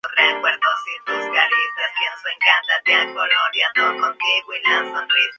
Ese matrimonio dio como resultado un hijo, Ahmad Shah Bahadur.